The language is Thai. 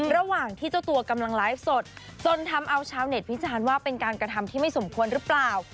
ระหว่างที่เจ้าตัวกำลังไลฟ์สดจนทำเอาชาวเน็ตวิจารณ์ว่าเป็นการกระทำที่ไม่สมควรหรือเปล่า